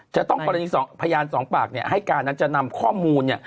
จะต้องกรณีภายานสองปากนี้ให้การนักจำนำข้อมูล